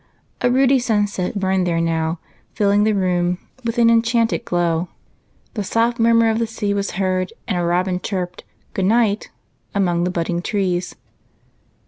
A ruddy sunset burned there now, filling the room with an enchanted glow ; the soft murmur of the sea was heard, and UNCLE ALEC'S ROOM. 67 a robin chirped " Good night !" among the budding trees.